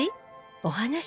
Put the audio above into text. お話？